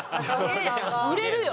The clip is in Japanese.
売れるよ